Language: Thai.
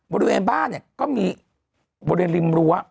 บริเวณบ้านเนี่ยก็มีบริเวณริมรั้ว